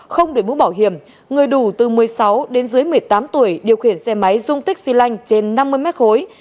không để bút bảo hiểm người đủ từ một mươi sáu đến dưới một mươi tám tuổi điều khiển xe máy dung tích xy lanh trên năm mươi mét khối